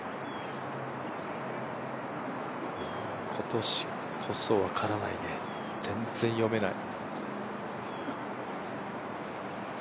今年こそ分からないね、全然読めない。